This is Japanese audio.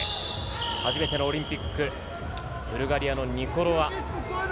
初めてのオリンピック、ブルガリアのニコロワ。